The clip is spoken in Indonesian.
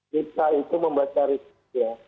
kita itu membaca risiko